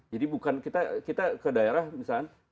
jadi bukan kita ke daerah misalnya